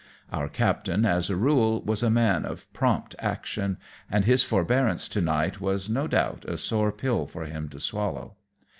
Our captain, as a rule, was a man of prompt action, and his forbearance to night was, no doubt, a sore pill for him to swallow.